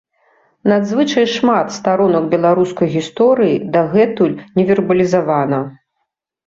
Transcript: Надзвычай шмат старонак беларускай гісторыі дагэтуль не вербалізавана.